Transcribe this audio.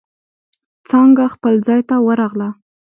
څانگه خپل ځای ته ورغله.